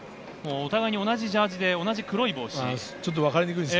お互い同じジャージーで同じ黒い帽子です。